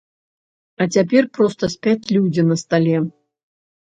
А цяпер проста спяць людзі на стале.